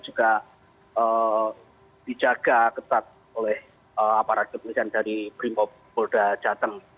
juga dijaga ketat oleh aparat kepolisian dari brimob polda jateng